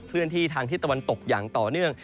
เลื่อนที่ทางทิศตะวันตกอย่างต่อเนื่อง